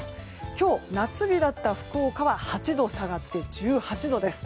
今日、夏日だった福岡は８度下がって１８度です。